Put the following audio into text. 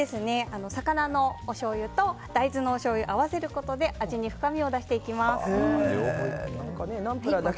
魚のおしょうゆと大豆のおしょうゆを合わせることで味に深みを出していきます。